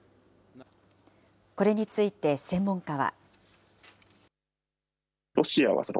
これについて専門家は。